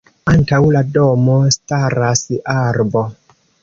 Antaŭ la domo staras arbo.